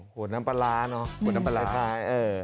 ขวดน้ำปลาร้าเนอะ